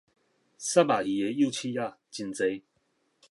虱目魚的幼刺仔誠濟